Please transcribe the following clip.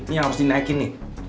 ini harus dinaikin nih